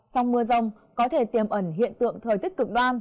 trong mưa rông có thể tiềm ẩn hiện tượng thời tiết cực đoan